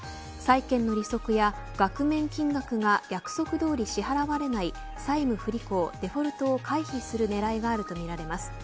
債券の利息や額面金額が約束どおり支払われない債務不履行、デフォルトを回避するねらいがあるとみられます。